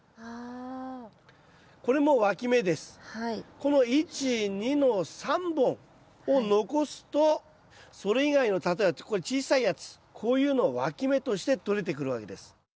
この１２の３本を残すとそれ以外の例えばこれ小さいやつこういうのをわき芽として取れてくるわけです。